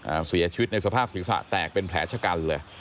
เสียชีวิตในสภาพศีรษะแตกเป็นแผลชะกันเลย